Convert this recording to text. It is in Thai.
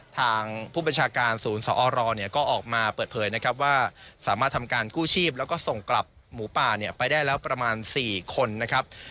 ทางผู้บัญชาการศูนย์สอรเนี่ยก็ออกมาเปิดเผยนะครับว่าสามารถทำการกู้ชีพแล้วก็ส่งกลับหมูป่าเนี่ยไปได้แล้วประมาณ๔คนนะครับ